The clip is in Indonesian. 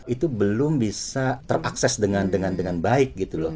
itu belum bisa terakses dengan baik